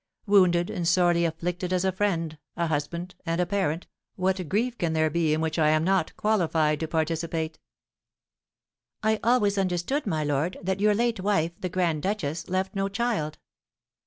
Wounded and sorely afflicted as a friend, a husband, and a parent, what grief can there be in which I am not qualified to participate?" "I always understood, my lord, that your late wife, the grand duchess, left no child?"